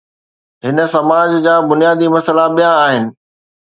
هن سماج جا بنيادي مسئلا ٻيا آهن.